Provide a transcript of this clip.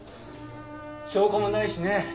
証拠もないしね。